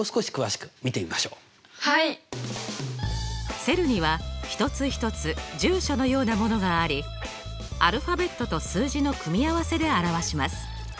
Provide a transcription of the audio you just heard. セルには一つ一つ住所のようなものがありアルファベットと数字の組み合わせで表します。